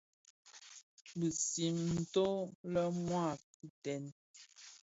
Bizim nto le mua a kiden.